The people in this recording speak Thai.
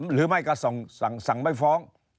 หรือไม่ก็สั่งไม่ฟ้อง